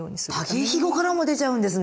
竹ひごからも出ちゃうんですね！